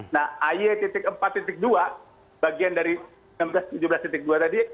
nah ay empat dua bagian dari enam belas tujuh belas dua tadi